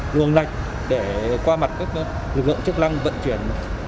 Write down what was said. luồng lạch để qua mặt các lực lượng chức năng vận chuyển